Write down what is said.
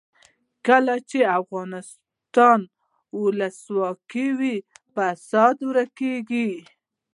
کله چې افغانستان کې ولسواکي وي فساد ورک کیږي.